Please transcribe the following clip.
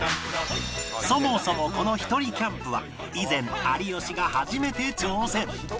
そもそもこのひとりキャンプは以前有吉が初めて挑戦